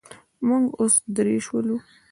موږ اوس درې شولو.